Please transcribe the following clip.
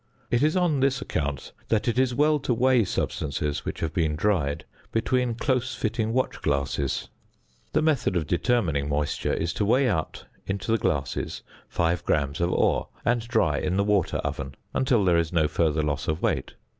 It is on this account that it is well to weigh substances, which have been dried, between close fitting watch glasses. The method of determining moisture is to weigh out into the glasses 5 grams of ore, and dry in the water oven until there is no further loss of weight.